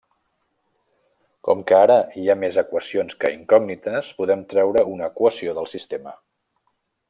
Com que ara hi ha més equacions que incògnites, podem treure una equació del sistema.